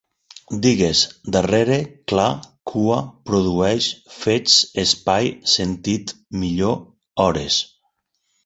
Digues: darrere, clar, cua, produeix, fets, espai, sentit, millor, hores